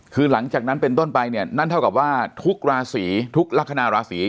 คือหลังจากนั้นเป็นต้นไปเนี่ยนั่นเท่ากับว่าทุกราศีทุกลักษณะราศี